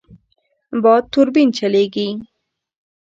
باد توربین چلېږي.